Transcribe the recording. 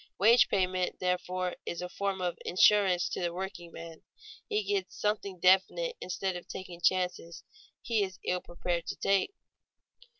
Wage payment, therefore, is a form of insurance to the workingman; he gets something definite instead of taking chances he is ill prepared to take.